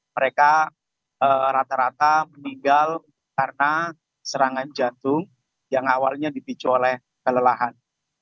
mereka rata rata meninggal karena serangan jantung yang awalnya dipicu oleh kelelahan